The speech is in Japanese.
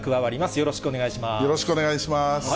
よろしくよろしくお願いします。